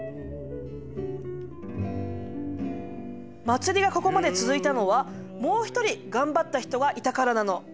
祭りがここまで続いたのはもう一人頑張った人がいたからなの。